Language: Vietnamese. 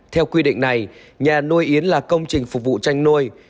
theo quy định này nhà nuôi yến là công trình phục vụ chăn nuôi